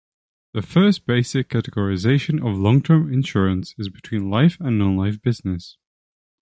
The first basic categorisation of long-term insurance is between life and non-life business.